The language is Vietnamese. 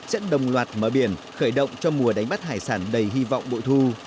sẽ đồng loạt mở biển khởi động cho mùa đánh bắt hải sản đầy hy vọng bội thu